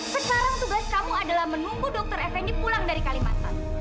sekarang tugas kamu adalah menunggu dr effendi pulang dari kalimantan